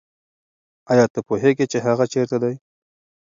آیا ته پوهېږې چې هغه چېرته دی؟